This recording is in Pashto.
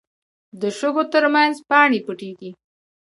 د شګو تر منځ پاڼې پټېږي